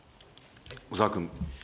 小沢君。